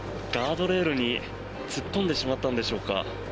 ガードレールに突っ込んでしまったんでしょうか